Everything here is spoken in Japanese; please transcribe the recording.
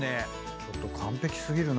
ちょっと完璧過ぎるな。